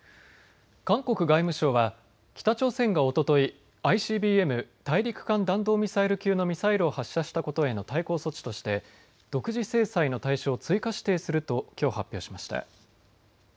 韓国外務省は北朝鮮がおとといＩＣＢＭ・大陸間弾道ミサイル級のミサイルを発射したことへの対抗措置として独自制裁の対象を追加指定するときょう発表しました。